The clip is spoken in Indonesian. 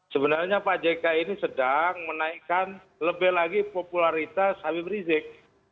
sebenarnya pak jk ini sedang menaikkan lebih lagi popularitas habib rizik